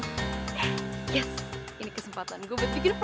yes ini kesempatan gue buat bikin vlog